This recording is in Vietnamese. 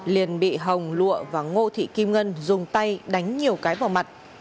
liền bị hồng lụa và ngô thị kim ngân dùng tay đánh nhiều cái vào mặt